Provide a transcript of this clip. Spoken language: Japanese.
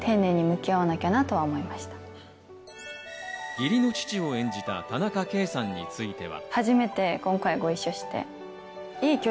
義理の父を演じた田中圭さんについては。